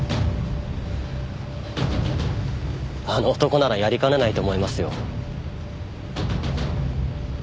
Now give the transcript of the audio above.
あの男ならやりかねないと思いますよ。